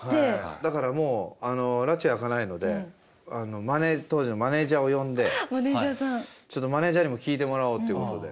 だからもうあのらち明かないので当時のマネージャーを呼んでちょっとマネージャーにも聞いてもらおうっていうことで。